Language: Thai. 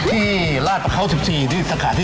ที่ราชประเขา๑๔ที่สถานที่